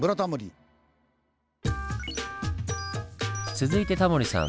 続いてタモリさん